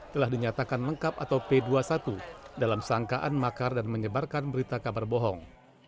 telah dinyatakan lengkap atau p dua puluh satu dalam sangkaan makar dan menyebarkan berita kabar bohong